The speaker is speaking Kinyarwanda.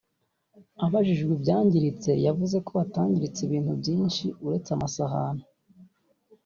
Abajijwe ibyangiritse yavuze ko hatangiritse ibintu byinshi uretse amasahani